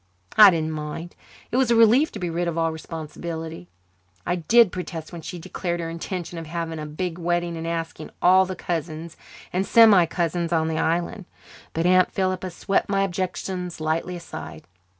I didn't mind; it was a relief to be rid of all responsibility; I did protest when she declared her intention of having a big wedding and asking all the cousins and semi cousins on the island, but Aunt Philippa swept my objections lightly aside.